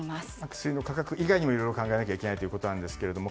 薬の価格以外にもいろいろ考えないといけないということですけれども。